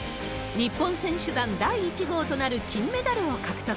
日本選手団第１号となる、金メダルを獲得。